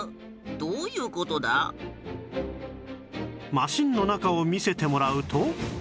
マシンの中を見せてもらうと